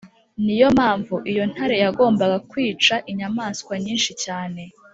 ni yo mpamvu iyo ntare yagombaga kwica inyamaswa nyinshi cyane